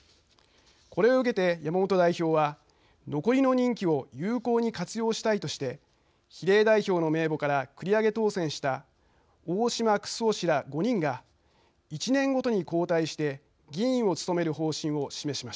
これを受けて山本代表は残りの任期を有効に活用したいとして比例代表の名簿から繰り上げ当選した大島九州男氏ら５人が１年ごとに交代して議員を務める方針を示しました。